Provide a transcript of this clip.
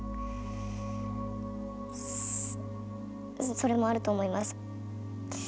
それもあると思います。